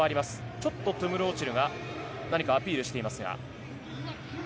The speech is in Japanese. ちょっとトゥムル・オチルが何かアピールしていますが。